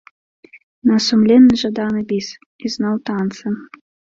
На сумленны жаданы біс, і зноў танцы.